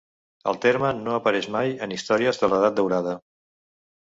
El terme no apareix mai en històries de l'Edat daurada.